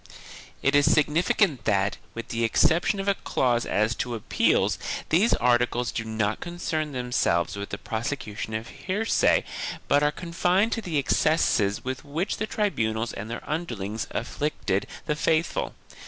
It is significant that, with the exception of a clause as to appeals, these articles do not concern themselves with the prose cution of heresy but are confined to the excesses with which the tribunals and their underlings afflicted the faithful.